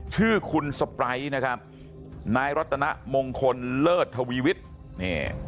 ชื่อคุณสปร้ายนะครับนายรัตนมงคลเลิศทวีวิทย์นี่